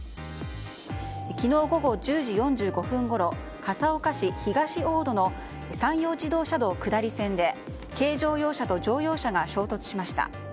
昨日午後１０時４５分ごろ笠岡市東大戸の山陽自動車道下り線で軽乗用車と乗用車が衝突しました。